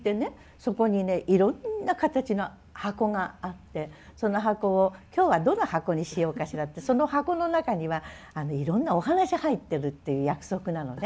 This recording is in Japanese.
そこにねいろんな形の箱があってその箱を「今日はどの箱にしようかしら」ってその箱の中にはいろんなお話入ってるっていう約束なのね。